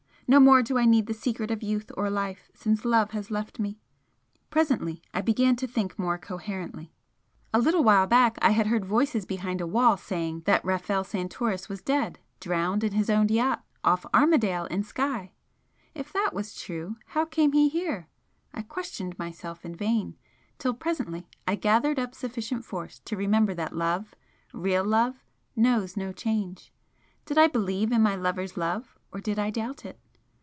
No more do I need the secret of youth or life, since love has left me." Presently I began to think more coherently. A little while back I had heard voices behind a wall saying that Rafel Santoris was dead, drowned in his own yacht 'off Armadale, in Skye.' If that was true how came he here? I questioned myself in vain, till presently I gathered up sufficient force to remember that love REAL love knows no change. Did I believe in my lover's love, or did I doubt it?